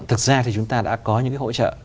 thực ra thì chúng ta đã có những cái hỗ trợ